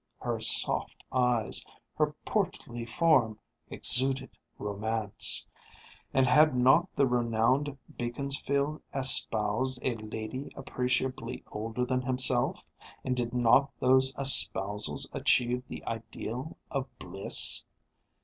Her soft eyes, her portly form, exuded romance. And had not the renowned Beaconsfield espoused a lady appreciably older than himself, and did not those espousals achieve the ideal of bliss?